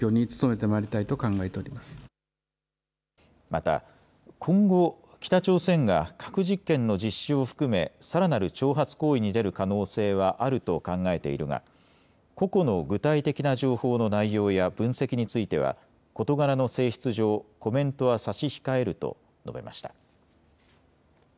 また今後、北朝鮮が核実験の実施を含めさらなる挑発行為に出る可能性はあると考えているが個々の具体的な情報の内容や分析については事柄の性質上、コメントは差し控えると述べました。